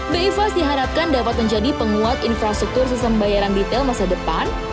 bi fast diharapkan dapat menjadi penguat infrastruktur sistem pembayaran detail masa depan